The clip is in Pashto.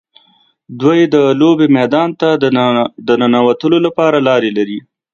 دوی د لوبې میدان ته د ننوتلو لارې لري.